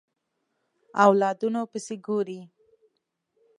اولادونو پسې ګوري